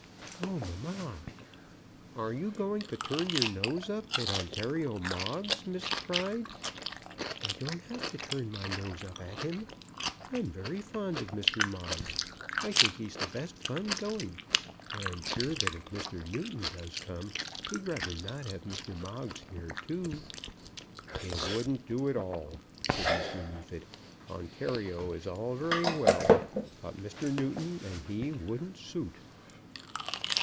"Oh, mamma!" "Are you going to turn your nose up at Ontario Moggs, Miss Pride?" "I don't turn my nose up at him. I'm very fond of Mr. Moggs. I think he's the best fun going. But I am sure that if Mr. Newton does come, he'd rather not have Mr. Moggs here too." "It wouldn't do at all," said Mr. Neefit. "Ontario is all very well, but Mr. Newton and he wouldn't suit."